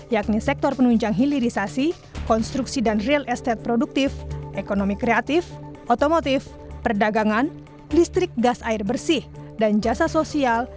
yakni sektor penunjang hilirisasi konstruksi dan real estate produktif ekonomi kreatif otomotif perdagangan listrik gas air bersih dan jasa sosial